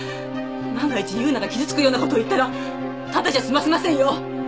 万が一優奈が傷つくようなことを言ったらタダじゃ済ませませんよ！